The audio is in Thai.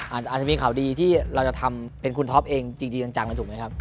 อาจจะมีข่าวดีที่เราจะทำเป็นคุณท็อปเองจริงจังถูกไหมครับ